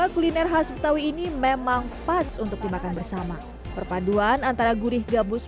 kuliner khas betawi ini memang pas untuk dimakan bersama perpaduan antara gurih gabus